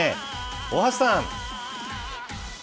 大橋さん。